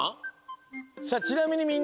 さあちなみにみんな！